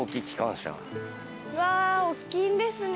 うわおっきいんですね。